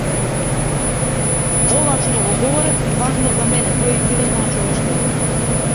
Ова што го говорев е важно за мене - тоа е иднината на човештвото.